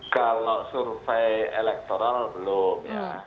kalau survei elektoral belum ya